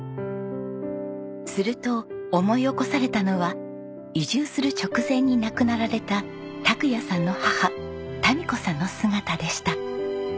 すると思い起こされたのは移住する直前に亡くなられた拓也さんの母タミ子さんの姿でした。